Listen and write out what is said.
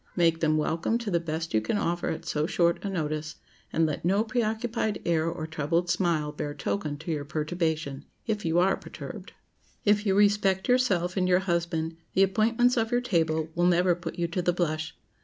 Make them welcome to the best you can offer at so short a notice, and let no preoccupied air or troubled smile bear token to your perturbation—if you are perturbed. If you respect yourself and your husband, the appointments of your table will never put you to the blush.